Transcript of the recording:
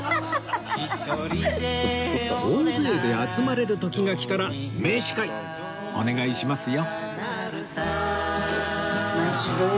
大勢で集まれる時が来たら名司会お願いしますよ！